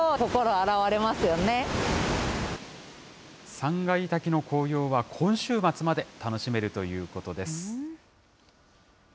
三階滝の紅葉は、今週末まで楽しめるということです。